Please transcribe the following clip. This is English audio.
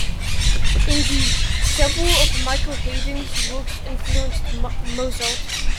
Indeed, several of Michael Haydn's works influenced Mozart.